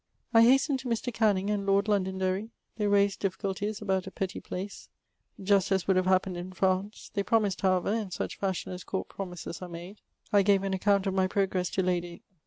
I hastened to Mr. Canning and Lord Londonderry ; they raised difficulties about a petty place — just as would have happened in France ; they promised, however, in such fashion as court promises are made. I gave an account of my progress to Lady